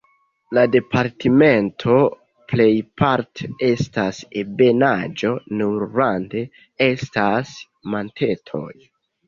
La departemento plejparte estas ebenaĵo, nur rande estas montetoj.